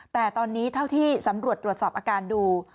แต่ตอนนี้เท่าที่สำรวจตรวจสอบอาการดู